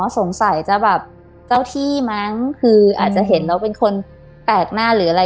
สงสัยจะแบบเจ้าที่มั้งคืออาจจะเห็นแล้วเป็นคนแปลกหน้าหรืออะไร